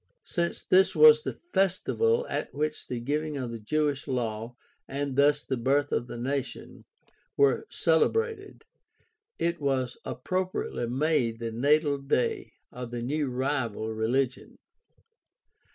Since this was the festival at which the giving of the Jewish Law, and thus the birth of the nation, were celebrated, it was appropriately made the natal day of the new rival rehgion.